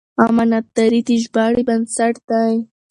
امانتداري د ژباړې بنسټ دی.